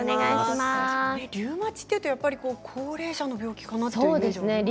リウマチというと高齢者の病気かなと思いますよね。